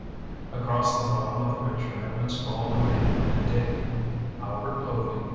Across the bottom of the picture had been scrawled a name and date: "Albert Povy